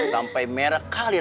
sampai merah kali ya